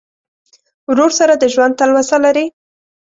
ورور سره د ژوند تلوسه لرې.